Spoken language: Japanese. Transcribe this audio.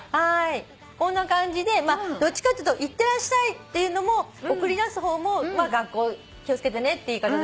こんな感じでどっちかっていうと「行ってらっしゃい」っていうのも送り出す方も「気をつけてね」って言い方だし